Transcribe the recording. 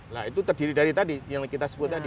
nah itu terdiri dari tadi yang kita sebut tadi